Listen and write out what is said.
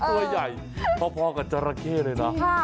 ตัวใหญ่พอกับจราเข้เลยนะ